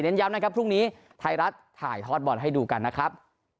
ย้ำนะครับพรุ่งนี้ไทยรัฐถ่ายทอดบอลให้ดูกันนะครับ